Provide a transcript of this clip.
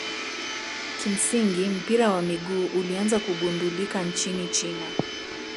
kimsingi mpira wa miguu ulianza kugundulika nchini china